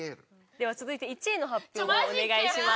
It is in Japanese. では続いて１位の発表をお願いします。